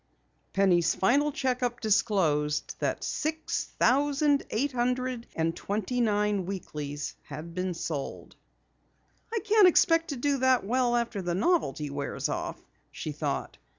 Penny's final check up disclosed that six thousand eight hundred and twenty nine Weeklies had been sold. "I can't expect to do that well after the novelty wears off," she thought.